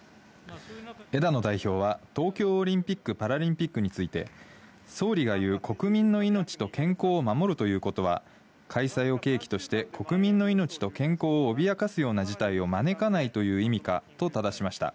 枝野代表は、東京オリンピック・パラリンピックについて、総理が言う国民の命と健康を守るということは、開催を契機として、国民の命と健康を脅かすような事態を招かないという意味かとただしました。